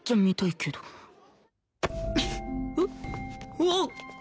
うわっ！